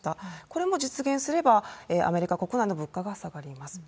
これも実現すれば、アメリカ国内の物価が下がります。